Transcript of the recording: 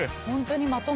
「本当に？